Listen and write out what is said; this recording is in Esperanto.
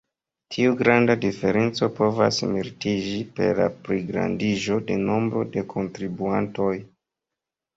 Tiu granda diferenco povas mildiĝi per la pligrandiĝo de nombro de kontribuantoj.